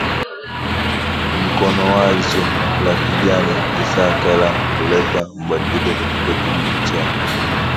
mkono wazo la kijana Isaka la kuleta mabadiliko katika kijiji chao